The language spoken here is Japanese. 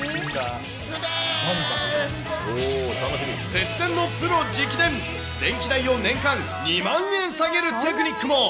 節電のプロ直伝、電気代を年間２万円下げるテクニックも。